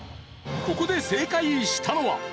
ここで正解したのは。